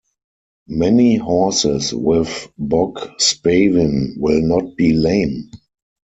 Many horses with bog spavin will not be lame.